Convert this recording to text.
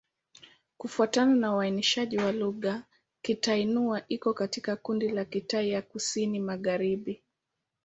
Kufuatana na uainishaji wa lugha, Kitai-Nüa iko katika kundi la Kitai ya Kusini-Magharibi.